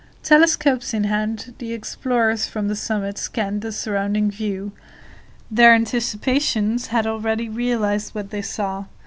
Telescopes in hand, the explorers from the summit scanned the surrounding view. Their anticipations had already realized what they saw.